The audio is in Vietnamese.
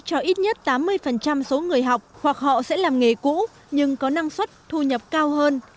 cho ít nhất tám mươi số người học hoặc họ sẽ làm nghề cũ nhưng có năng suất thu nhập cao hơn